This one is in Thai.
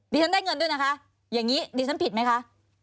ฉันได้เงินด้วยนะคะอย่างนี้ดิฉันผิดไหมคะ